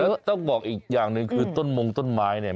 แล้วก็ต้องบอกอีกอย่างหนึ่งคือต้นมงต้นไม้เนี่ย